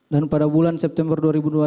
dan pada bulan september dua ribu dua puluh satu